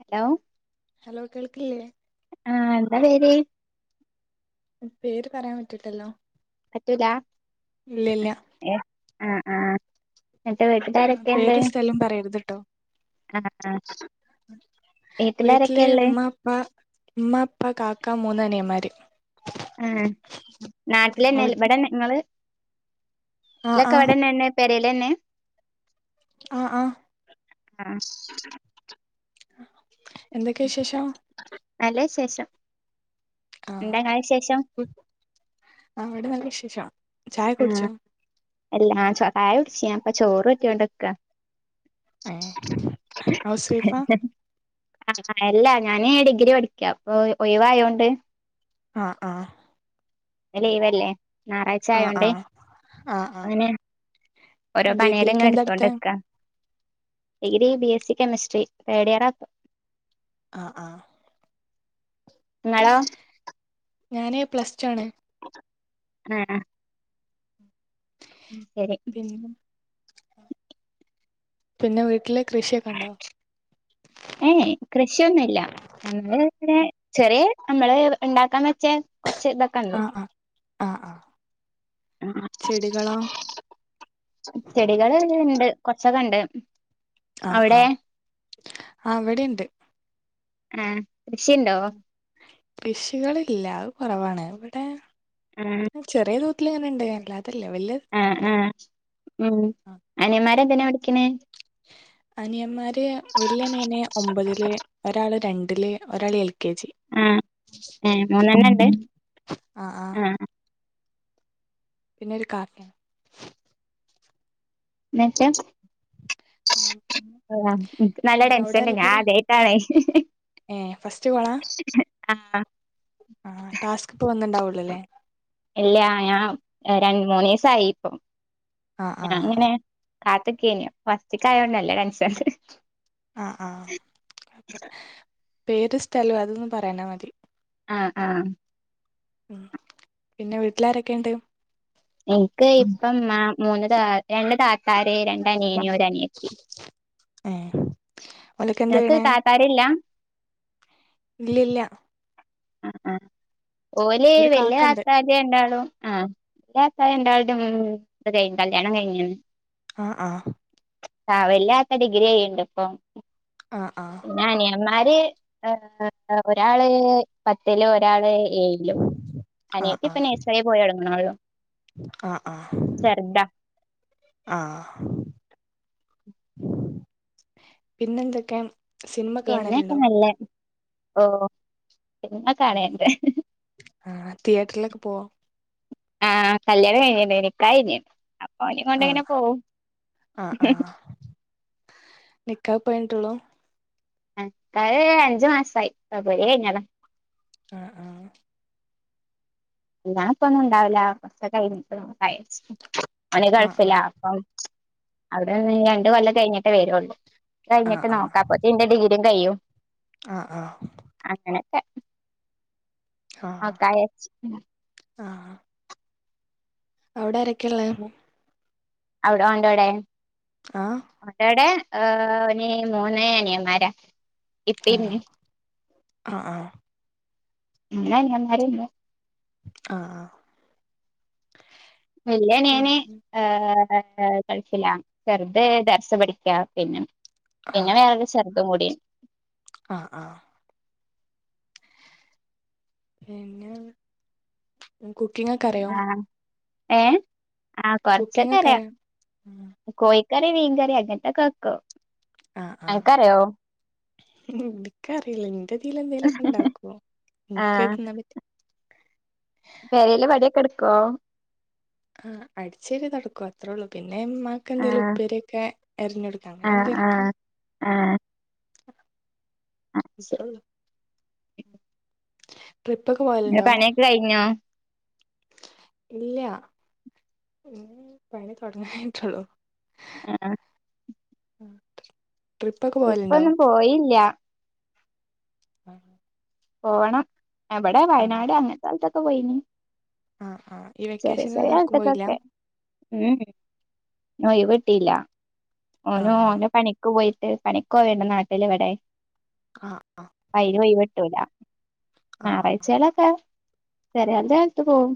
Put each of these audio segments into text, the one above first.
Hello hello കേൾക്കില്ലേ ആഹ് എന്താ പേര് പേര് പറയാൻ പറ്റൂലല്ലോ പറ്റൂലാ ഇല്ല ഇല്ല ഏഹ് ആഹ് ആഹ് എന്നിട്ട് വീട്ടിലാരൊക്കെണ്ട് [unintelligible] പറയരുത് ട്ടോ ആഹ് ആഹ് വീട്ടിലാരൊക്കെള്ളേ ഇമ്മ പ്പാ കാക്കാ മൂന്നനിയമ്മാര് ആഹ് നാട്ടിലെന്നെ അവിടെ ഇവിടെനെ നിങ്ങള് ആ ആ ലൊക്കെ ഇവടെന്നെ പെരെലെന്നെ ആഹ് ആഹ് ഉം എന്തൊക്കെ വിശേഷം? നല്ല വിശേഷം ആഹ് എന്താ ഇങ്ങളെ വിശേഷം [unintelligible] അവിടെ നല്ല വിശേഷ ചായ ഒക്കെ ആഹ് കുടിച്ചോ എല്ലാ ആ ചായ കുടിച് ഞാൻ പ്പൊ ചോറൂറ്റിയോണ്ട്ക്ക ഏ ഹൗസ് ഹ് വൈഫാ ഹ് അല്ല ഞാൻ ഡിഗ്രി പഠിക്കാപ്പൊ ഒയിവായോണ്ട് ആഹ് ആഹ് ന്ന് ലീവല്ലേ ആ ആ ഞാറാഴ്ച്ചായോണ്ട് ആ ആ അപ്പങ്ങനെ ഓരോ ഡിഗ്രിക്ക് പണിയള്ങ്ങ്നെ എന്താ എടുത്തെ എടുത്തൊണ്ട്ക്ക degree B S C chemistry തേഡ് ഇയറാ ആഹ് ആഹ് ഇങ്ങളോ ഞാന് പ്ലസ് ടു ആണ് ഏഹ് ഉം ശരി പിന്ന പിന്നെ വീട്ടില് കൃഷിയൊക്കെണ്ടോ? ഏഹ് ഏഹ് കൃഷിയൊന്നുല്ല നമ്മള് ങ്ങനെ ചെറിയ നമ്മള് ണ്ടാക്കാൻ വെചേ കുറച്ച് ആഹ് ആഹ് ആഹ് ആഹ് ഉം ഉം ചെടികള്ണ്ട് കൊറച്ചൊക്കെണ്ട് ആഹ് ആഹ് ആഹ് ഇവിടെണ്ട് ഉം കൃഷിണ്ടോ? കൃഷികളില്ല അത് കൊറവാണ് ഇവിടെ ഉം ഉം ചെറിയ തോതില് ഇങ്ങനെണ്ട് അല്ലാതെല്ല വല്യ ആഹ് ആഹ് ഉം അനിയമ്മാരെന്തിനാ പഠിക്ക്ണേ അനിയമ്മാര് വല്യ അനിയന് ഒമ്പതില് ഒരാള് രണ്ടില് ഒരാള് എൽകെജി ആഹ് ഏഹ് ഉം മൂന്നെണ്ണം ഇണ്ട് ഉം ആഹ് ആഹ് പിന്നെ ഒരു കാക്ക്യാണ് മറ്റേ ആഹ് എനിക്ക് നല്ല പിന്നെ അവടെ ടെൻഷൻണ്ട് ഞാൻ ആരൊക്കെള്ളെ? ആദ്യായിട്ടാണേ ഏഹ് ഫസ്റ്റ് കോളാ ആഹ് ആഹ് ടാസ്ക്ക് ഇപ്പൊ വന്ന്ണ്ടാവൊള്ളൂ ലേ ഇല്ല ഞാൻ രൺ മൂന്നീസായി ഇപ്പം ആഹ് ആഹ് ഞാൻങ്ങനെ കാത്ത്ക്കേനി അപ്പൊ ഫസ്റ്റ്ക്കായോണ്ട് നല്ല ടെൻഷണ്ട് ആഹ് ആഹ് പേരും സ്ഥലും അതൊന്നും പറയാഞ്ഞാ മതി ആഹ് ആഹ് ഉം പിന്നെ വീട്ടിലാരൊക്കെണ്ട് ഇന്ക്ക് ഇപ്പഇമ്മാ മൂന്ന് താ രണ്ട് താത്താര് രണ്ട് അനിയന് ഒര് അനിയത്തി ഏഹ് നിനക്ക് ഓലൊക്കെന്തെയ്യ്ണെ താത്താരില്ല ഇന്റേലില്ല ആഹ് ആഹ് ഓല് ഒരു വല്ല്യ കാക്കണ്ട് താത്താ ര് രണ്ടാളും ആഹ് വല്യതാത്താര് രണ്ടാള്തും ഇത് കഴി കല്യാണം കഴിഞ്ഞ്ണ് ആഹ് ആഹ് ആഹ് വല്ല്യാത്ത ഡിഗ്രിയ്യ്ണ്ട് ഇപ്പം ആഹ് ആഹ് ന്നെ അനിയമാര് ഒരാള് പത്തില് ഒരാള് ഏഴ് ലും ആഹ് അനിയത്തി ഇപ്പം ആഹ് നൈസറി പോയി തൊടങ്ങ്ണോള്ളു ആഹ് ആഹ് ആഹ് പിന്നെന്തൊക്കെ സിൻമക്കെ കാണല്ണ്ടോ ഓഹ് സിനിമക്കെ കാണല്ണ്ട് ആഹ് തിയേറ്ററിലൊക്കെ പോവോ ആഹ് കല്യാണം കഴിഞ്ഞില്ല നിക്കാഹ് കഴിഞ്ഞ്ണ്ട് അ ആഹ് ആഹ് ആഹ് നിക്കാഹ് ഇപ്പ കഴിഞ്ഞിട്ടൊള്ളു നിക്കാഹ്‌ അഞ്ച് മാസായി ഫെബ്രുവരി കഴിഞ്ഞതാ ആഹ് ആഹ് കല്യാണം ഇപ്പൊന്നും ഇണ്ടാവൂല കൊറച്ചൊക്കെ കഴിഞ്ഞിട്ട് നോക്കാ വിചാരിച്ച് ഓന് ആഹ് ആഹ് ഗൾഫിലാ അപ്പം അവിടെ ഒര് രണ്ട് കൊല്ലം കഴിഞ്ഞിട്ടേ വെരൊള്ളൂ ആഹ് കഴിഞ്ഞിട്ട് ആഹ് നോക്കാ അപ്പോത്തിന് ഇന്റെ ഡിഗ്രിയും കയ്യും ആഹ് ആഹ് അങ്ങനക്കെ ആഹ് ആഹ് നോക്കാം വിചാരിച്ച് ഉം ആഹ് അവിടെ ആരൊക്കെള്ളേ അവിടെ ഓന്റോടെ ആഹ് ഓന്റൊടെ ഏ ഒന് മൂന്ന് അനിയന്മാരാ ഇപ്പിം ആഹ് ആഹ് ആഹ് ഇമ്മീം മൂന്നനിയന്മാരെന്നെ ആഹ് ആഹ് വല്ല്യ അനിയന് ഏ ഗൾഫിലാ ചെറ്ത് ദർസ് പഠിക്കാ പിന്നെ ആഹ് [unintelligible] ചെർതും കൂടി ആഹ് ആഹ് പിന്നെ ഉം കുക്കിങാ ആഹ് ഏഹ് ആഹാ കുക്കിംഗ് കൊറചൊക്കെ ഒക്കെ അറിയാം അറിയോ കോയിക്കറി മീൻ കറി അങ്ങനതൊക്കെ വെക്കും ആഹ് ആഹ് അനക്കറിയോ എനിക്കറിയില്ല ഇന്റെ ത്തിലെ എന്തേലും ഒക്കെ ഉണ്ടാക്കും എന്ക്ക് ആഹ് തിന്നാൻ പറ്റു പെരേലെ പണിയൊക്കെ എടുക്കുവോ ആഹ് അടിച്ചുവാരി തൊടക്കും അത്രേ ഉള്ളൂ പിന്നെ ഇമ്മാ ക്ക് എന്തേലും ആഹ് ഉപ്പേരൊക്കെ എറിഞ്ഞെടുക്കാ അങ്ങനെ ആഹ് എന്തേലുംക്കെ ആഹ് ആഹ് ആഹ് ആഹ് ശരി അത്രേള്ളൂ ട്രിപ്പ് ഒക്കെ ഇങ്ങളെ പോകലുണ്ടോ പണിയൊക്കെ കഴിഞ്ഞോ ഇല്ല പണി തൊടങ്ങീട്ടൊള്ളു ആഹ് ആഹ് ട്രിപ്പൊക്കെ പോവലുണ്ടോ? പോയീല്ല്യ ആഹ് പോണം എവടെ വയനാട് അങ്ങനത്തെ സ്ഥലത്തൊക്കെ പോയിന് ആ ആ ഈ ചെറിയ വെക്കേഷനിൽ ചെറിയ എവ്ട്ക്കും പോയില്ല അൽത്തിക്കൊക്കെ ഉം ഇന്ന് ഒയിവ് കിട്ടീല്ല ആ ഓനും ഓന് പണിക്ക് പോയിട്ട് പണിക്ക് പോവല്ലെ നാട്ടില് ഇവടെ ആഹ് ആഹ് അയ്ന് ഒയിവ് കിട്ടൂല ആ ആ ഞായറാഴ്ചേലൊക്കെ ചെറിയാലടുത്ത് പോവും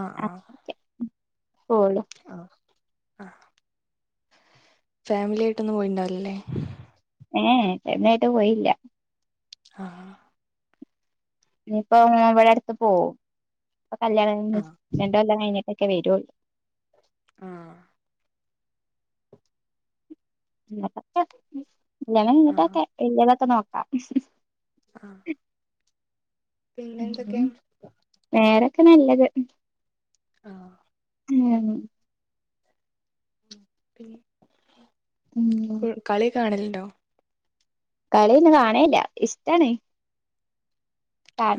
ആഹ് ആഹ് അങ്ങനൊക്കെ പോവുള്ളു ആഹ് ആഹ് ഫാമിലിയായ്ട്ടൊന്നും പോയിണ്ടാവി‌ല്ലല്ലേ ഏയ് ഫാമല്യായിട്ട് പോയില്ല്യ ആഹ് ഇഞ്ഞിപ്പം ഇവടടുത്ത് പോവും അപ്പൊ കല്ല്യാണം കഴിഞ്ഞ് ആ രണ്ടൊല്ലം കഴിഞ്ഞിട്ടൊക്കെ വെരുള്ളൂ ആഹ് എന്നിട്ടൊക്കെ കല്യാണം ആ കഴിഞ്ഞിട്ടൊക്കെ വല്യതൊക്കെ നോക്കാം ആഹ് പിന്നെന്തൊക്കെയാ വേരൊക്കെ നല്ലത് ആഹ് ഉം പിൻ ഉം കളി കാണലുണ്ടോ? കളിയൊന്നും കാണേല്ല ഇഷ്ട്ടാണ്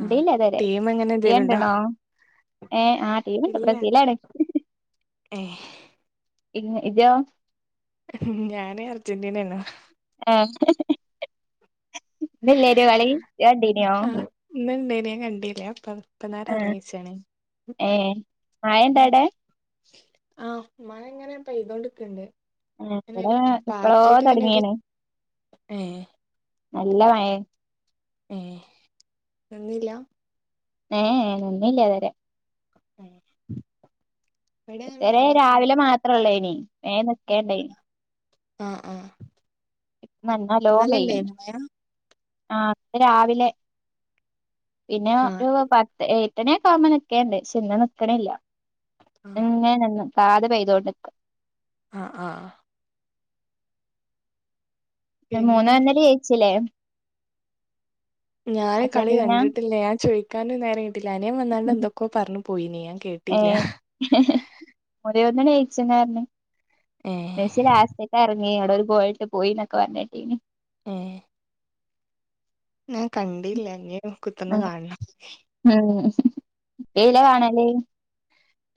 ആ ഇതോവരെ ടീം അങ്ങനെ എന്തേലുണ്ടോ ഈയണ്ടീണോ? ഏഹ് ആഹ് ടീമിണ്ട് ഇല്ല ബ്രസീലാണ് ഏഹ് ഇങ്ങ് ഇജോ? ഞാന് അർജന്റീനേണ് ഏഹ് ഇന്നില്യേനൊ കളി ഇജണ്ടീന്യോ? ഇന്ന് ഇണ്ടേനി ഞാം കണ്ടീല്യ ഞാപ്പ ഇപ്പന്നാരെ ആഹ് ഒർങ്ങീച്ചാണെ ഏഹ് മയണ്ടാടെ? ആഹ് മയങ്ങനെ പെയ്തോണ്ട്ക്കീണ്ട് ആഹ് ബടെ എപ്പളോ തൊട്ങ്ങീണ് ഏഹ് നല്ല മയെ ഏഹ് നിന്നില്ല ഏയേ നിന്നീല്ലതരെ ഏഹ് ഇതരെ രാവിലെ മാത്രൊള്ളേനി മേം നിക്കേണ്ടേനി ആഹ് ആഹ് ഇപ്പം നല്ലോം പെയ്യ്ണ്ട് ഇന്നലെണ്ടേനിയോ മയ ആഹ് ഇന്ന് രാവിലെ പിന്നെ ആഹ് ഒരു പത്ത് എ എട്ടണ്യൊക്കാമ്പം നിക്കേണ്ട് പക്ഷെന്ന് നിക്ക്ണില്ല ആഹ് ഇന്ന്ങ്ങനെ നികാതെ പെയ്തോണ്ട്ക്ക ആഹ് ആഹ് ആഹ് പിന്നെ മൂന്ന് ഒന്നില് ജയിച്ചിലേ ഞാന് കളി അർജന്റീന കണ്ടിട്ടില്ല ഞാൻ ചോയ്ക്കാനുംനേരം കിട്ടില്ല അനിയൻ വന്നാണ്ടെന്തൊക്കോ പർഞ്ഞു പോയിനീ ഞാൻ കേട്ടില്ല ഏഹ് മൂന്നേ ഒന്നിന് ജയ്ച്ച്ണാർഞ്ഞ് ഏ മെസ്സി ലാസ്റ്റിക്കെർങ്ങി ഇങ്ങട്ടൊരു ഗോള്ട്ട് പോയീന്നൊക്കെ പർഞ്ഞേട്ടീനി ഏഹ് ഞാൻ കണ്ടീല്ല ഞ്ഞ്കുത്തർന്ന് ഉം കാണ്ണം ഉം എയ്ലാ കാണല്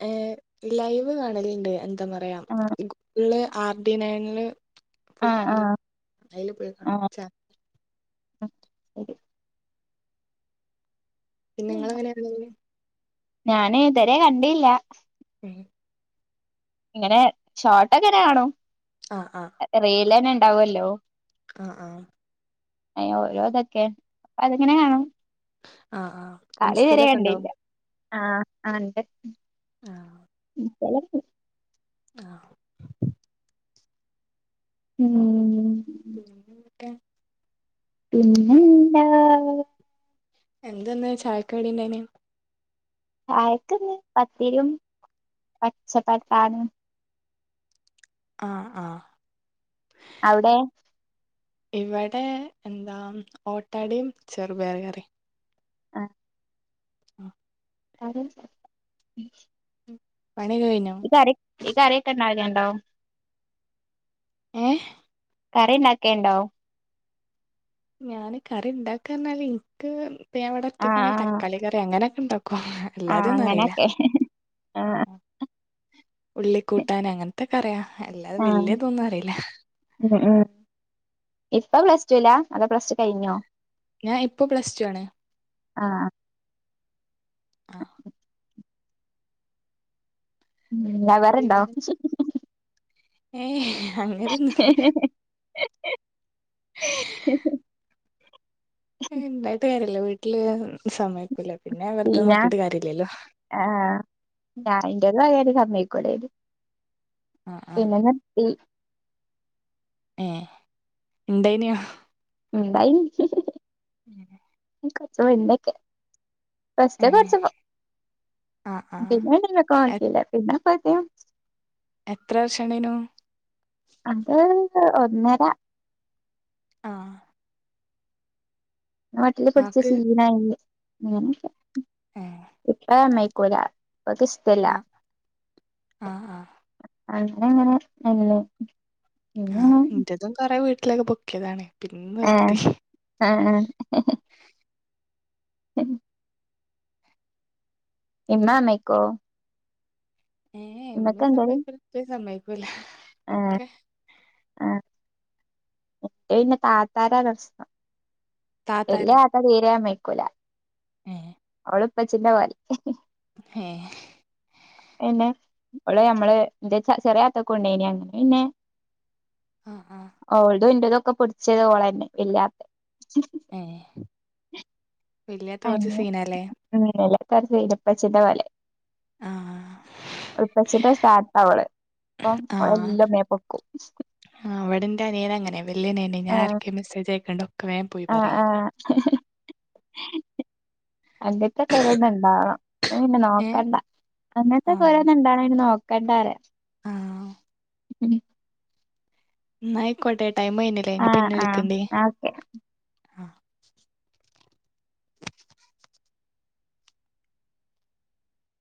ഏഹ് ലൈവ് കാണല്ണ്ട് എന്താ പറയാ ആഹ് [unintelligible] ആർ ഡി നയനില് ആഹ് [unintelligible] ആഹ് അയ്ല് പോയി കാണും ആഹ് [unintelligible] ശരി പിന്നെ നിങ്ങൾങ്ങനെയാ കാണല് ഞാന് ഇതരെ കണ്ടില്ല ഉം ഇങ്ങനെ ഷോർട്ട്ങ്ങനെ കാണും ആഹ് ആഹ് റീല് തന്നെ ഉണ്ടാവല്ലോ ആഹ് ആഹ് അയ്‌ലെ ഓരോ ഇതൊക്കെ അപ്പൊ അതെങ്ങനെ കാണും ആഹ് ആഹ് കളിതരെ ഇൻസ്റ്റയിലൊക്കെ ഉണ്ടോ കണ്ടില്ല ആഹ് ആണ്ട് ആഹ് ഉം [inaudible] ആഹ് ഉം പിന്നെന്തൊക്കെ പിന്നെന്താ എന്തെന്ന് ചായക്കാടിണ്ടായിനി ചായക്ക്ന്ന് പത്തിരിയും പച്ചപ്പട്ടാണിയും ആഹ് ആഹ് അവിടെ ഇവിടെ എന്താ ഓട്ടടയും ചെറുപയർ കറിം ആഹ് ആഹ് കരും പണിയൊക്കെ കഴിഞ്ഞോ കര അരയൊക്കെഉവണ്ടവല്ണ്ടോ ഏഹ് കറി ഉണ്ടാക്കിം ഉണ്ടോ ഞാന് കറി ഉണ്ടാക്കാ പറഞ്ഞാല് എനിക്ക് പേവടെ ആഹ് ഒറ്റക്കാണെ ആഹ് താളി റിയ അങ്ങനെയൊക്കെ ഉണ്ടാക്കും ആഹ് അല്ലാതെയ ഒന്നും അറിയില്ല അങ്ങനെയൊക്കെ ആഹ് ഉള്ളിക്കൂട്ടാൻ അങ്ങനത്തൊക്കെ അറിയാം അല്ലാതെ ആഹ് വല്ിയതൊന്നും അറിയില്ല. ഉം ഉം ഇപ്പം പ്ലസ് ടു ഇല്ല അത പ്ലസ് ടു കഴിഞ്ഞോ ഞാൻ ഇപ്പൊ പ്ലസ് ടു ആണ്. ആഹ് ആഹ് ഉം ലൗവർ ണ്ടോ ഏ അങ്ങനൊന്നുല്ല. [inaudible] ഉണ്ടായിട്ട് കാര്യമല്ല വീട്ടില് സമയ്കുല്ല പിന്നെ അവറതെ സീന നോക്കിട്ട് കാര്യമില്ലല്ലോ? ആഹ് ഞാൻ ഇൻ്റ പെരേല് സമ്മയ് ക്കൂലത്. ആ ആ പിന്നെ ഞൻ നീർതി ഏ ഇണ്ടെയ്ന്നു. ഉണ്ടായിന്ന് ഹ്ഹ ഉം കുറച്ച് വലുതൊക്കെ കസ് ഏ കുറച്ച് ആ ആ പിന്ന എ കോൺക്കല്ല പിന്നെ പതി എത്ര വർഷംണ്ടയിനു. അത് ഒന്നര ആഹ് ആഹ് മറ്റീല് പിടിച്ച് ആക്ക് ഫീൽ ആയതുകൊണ്ട് അങ്ങനക്കെ ഏ ഇപ്പ അമ്മയ്ക്കൂല ഇപ്പാക്ക് ആ ഇഷ്ടല്ലാ ആ ആ അന്ന് അങ്ങനെ അല്ലേ. ആഹ് ഇന്റതും കൊറെ വീട്ടിലൊക്കെ പൊക്കിയതാണ് പിന്നെ ഏഹ് നിർത്തി ആഹ് ആഹ് [inaudible] ഇമ്മ ഉം. സമ്മയ്ക്കോ ഏ എ ഇമ്മക്ക് ഇമ്മിംസയ്ക്കൂലാ എന്തേലും ഇപ്പി സമ്മയ്ക്കൂല ആഹ് ഒക്കെ ആഹ് ഇന്റത് പിന്നെ താത്താരാ പ്രശ്നം വല്ല്യ താത്താരും താത്ത തീരെ സമ്മയ്ക്കൂലാ. ഹേ ഓള് പ്പച്ചിന്റെ മായ്രി ഹേ പിന്നെ ഓള് നമ്മള് ന്റെ ചെ ചെറിയാതാത്താക്കൊക്കെണ്ടേയ്നി അങ്ങനെ പിന്നെ ആഹ് ആഹ് ഓൾതും ഇന്റതും ഒക്കെ പിടിച്ചത് ഓളെന്നെ വല്ല്യാത്തന്നെ ഏഹ് വല്ല്യാത്ത കൊർച്ച് അങ്ങനെ സീനാല്ലേ? ഉം വല്ല്യാത്ത കൊർച്ച് സീനാ ഇപ്പച്ചിന്റെപോലെ. ആഹ് ഇപ്പച്ചിന്റെ സ്ഥാനത്താ ഓള്. അപ്പം അവളെല്ലം മേ പൊക്കും. ആഹ് ഇവിടന്റനിയന് അങ്ങനെ. വല്ല്യനിയന്. ഞാ ആഹ് ആർക്കെ മെസ്സേജ് അയക്ക്ണ്ടോ ഒക്കെ വേ പോയി പറിം. ആഹ് ഹും ഹും. അങ്ങൻത്തൊക്കെ ഒരണ്ണം ണ്ടാവണം. ന്നാ പിന്നെ ഏഹ് നോക്കണ്ട. അങ്ങൻത്തെ ആഹ് ഒരോന്ന്ണ്ടായാപിന്നെ നോക്കണ്ട റിയ. ആഹ് ന്നായിക്കോട്ടെ. ടൈമ് കയ്ഞ്ഞിലേ. ഇനി ആഹ് പിന്നെ ആഹ് വിളിക്കണ്ട്. ഓക്കെ ആ